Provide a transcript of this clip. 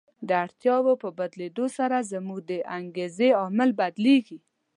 د اړتیاوو په بدلېدو سره زموږ د انګېزې عامل بدلیږي.